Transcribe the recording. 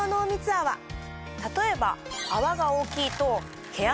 例えば。